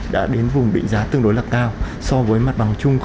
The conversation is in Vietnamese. đã đến vùng định giá tương đối là cao so với mặt bằng chung